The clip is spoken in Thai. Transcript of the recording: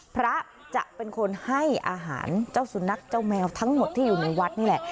พระจะเป็นคนให้อาหารเจ้าสุนัขเจ้าแมวทั้งหมดที่อยู่ในวัดนี่แหละ